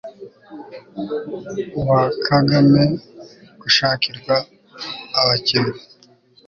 uwa kagame ushakirwa abakannyi